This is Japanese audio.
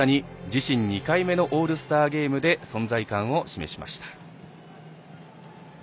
自身２回目のオールスターゲームで存在感を示しました。